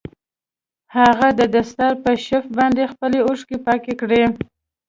هغه د دستار په شف باندې خپلې اوښکې پاکې کړې.